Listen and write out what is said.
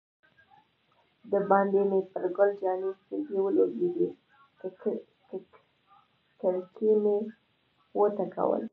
دباندې مې پر ګل جانې سترګې ولګېدې، کړکۍ مې و ټکول.